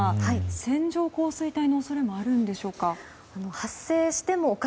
線状降水帯の恐れもあるんでしょうか。